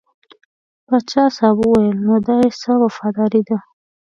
پاچا صاحب وویل نو دا یې څه وفاداري ده.